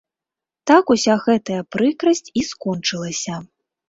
Так уся гэтая прыкрасць і скончылася.